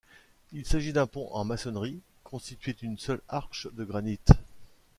Il s'agit d'un pont en maçonnerie, constitué d'une seule arche de granit.